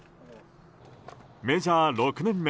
メジャー６年目